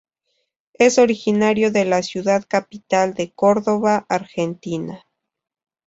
Es originario de la ciudad capital de Córdoba, Argentina.